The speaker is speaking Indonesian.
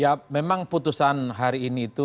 ya memang putusan hari ini itu